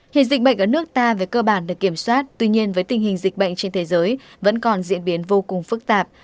hiện dịch bệnh ở nước ta về cơ bản được kiểm soát tuy nhiên với tình hình dịch bệnh trên thế giới vẫn còn diễn biến vô cùng phức tạp